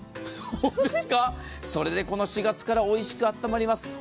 どうですか、それでこの４月からおいしくあったまります。